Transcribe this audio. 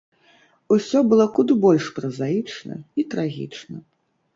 Усё было куды больш празаічна і трагічна.